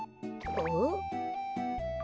お？